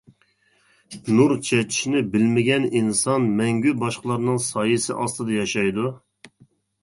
نۇر چېچىشنى بىلمىگەن ئىنسان مەڭگۈ باشقىلارنىڭ سايىسى ئاستىدا ياشايدۇ.